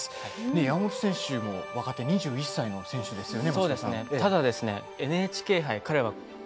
山本選手、若手２１歳選手ですね。